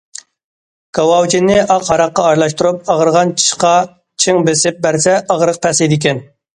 كاۋاۋىچىننى ئاق ھاراققا ئارىلاشتۇرۇپ ئاغرىغان چىشقا چىڭ بېسىپ بەرسە ئاغرىق پەسىيىدىكەن.